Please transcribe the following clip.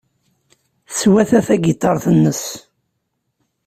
Teswata tagiṭart-nnes.